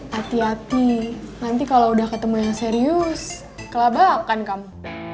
hati hati nanti kalau udah ketemu yang serius kelaba akan kamu